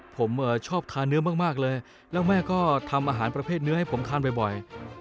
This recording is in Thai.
ผมชอบทานเนื้อมากเลยแล้วแม่ก็ทำอาหารประเภทเนื้อให้ผมทานบ่อย